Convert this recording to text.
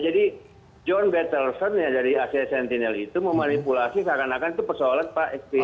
jadi john battleson dari asia sentinel itu memanipulasi seakan akan itu persoalan pak sby